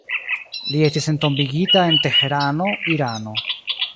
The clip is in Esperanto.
Li estis entombigita en Teherano, Irano.